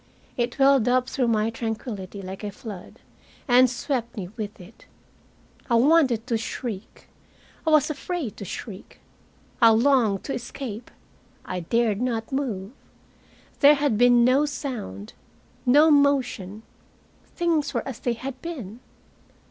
It welled up through my tranquillity like a flood, and swept me with it. I wanted to shriek. I was afraid to shriek. I longed to escape. I dared not move. There had been no sound, no motion. Things were as they had been.